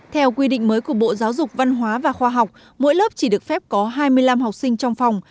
theo quy định mới của bộ giáo dục văn hóa và khoa học mỗi lớp chỉ được phép có hai mươi năm học sinh trong phòng